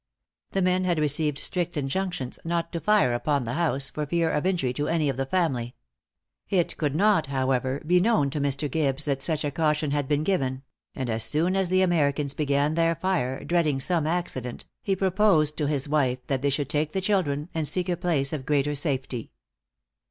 The men had received strict injunctions not to fire upon the house, for fear of injury to any of the family. It could not, however, be known to Mr. Gibbes that such a caution had been given; and as soon as the Americans began their fire, dreading some accident, he proposed to his wife that they should take the children and seek a place of greater safety.